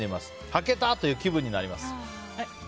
はけた！という気分になります。